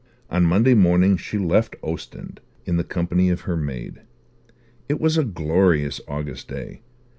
On Monday morning she left Ostend, in the company of her maid. It was a glorious August day.